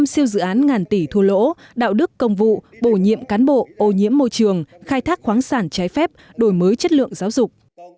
một mươi siêu dự án ngàn tỷ thua lỗ đạo đức công vụ bổ nhiệm cán bộ ô nhiễm môi trường khai thác khoáng sản trái phép đổi mới chất lượng giáo dục